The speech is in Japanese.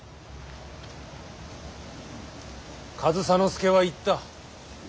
上総介は言った。